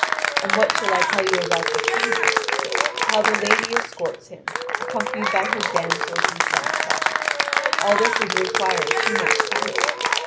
And what shall I tell you about the King how the lady escorts him, accompanied by her damsels and seneschal? All this would require too much time.